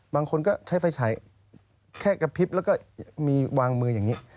บางคนก็ใช้ไฟฉายแค่กระพริบแล้วก็มีวางมืออย่างนี้